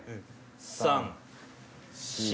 ３・４。